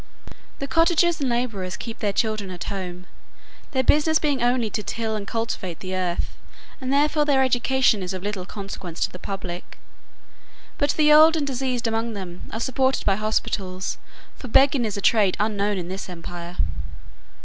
The cottagers and labourers keep their children at home, their business being only to till and cultivate the earth, and therefore their education is of little consequence to the public: but the old and diseased among them are supported by hospitals; for begging is a trade unknown in this empire.